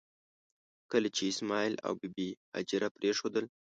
کله چې یې اسماعیل او بي بي هاجره پرېښودل.